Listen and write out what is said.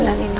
ada dari abc